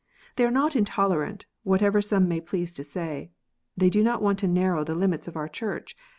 They are not intolerant, whatever some may please to say. They do not want to narrow the limits of our Church.